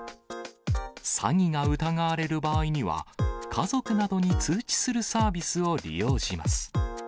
詐欺が疑われる場合には、家族などに通知するサービスを利用します。